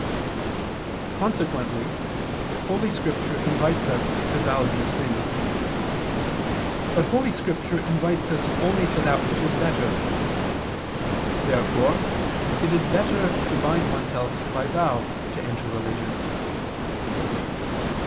Consequently Holy Scripture invites us to vow these things. But Holy Scripture invites us only to that which is better. Therefore it is better to bind oneself by vow to enter religion.